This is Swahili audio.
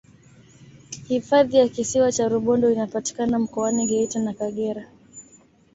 hifadhi ya kisiwa cha rubondo inapatikana mkoani geita na kagera